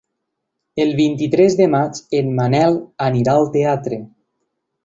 El vint-i-tres de maig en Manel anirà al teatre.